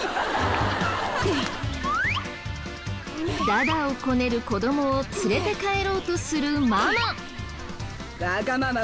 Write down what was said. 駄々をこねる子どもを連れて帰ろうとするママ。